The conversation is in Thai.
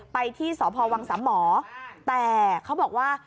ไปที่สพวังสามหมอแต่เขาบอกว่า